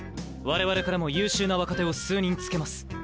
我々からも優秀な若手を数人つけます。